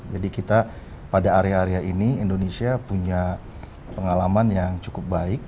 jadi kita pada area area ini indonesia punya pengalaman yang cukup baik